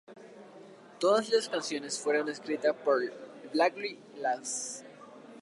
Todas las canciones fueron escritas por Blackie Lawless.